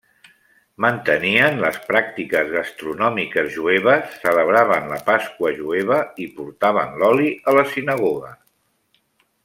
Mantenien les pràctiques gastronòmiques jueves, celebraven la Pasqua jueva i portaven l'oli a la sinagoga.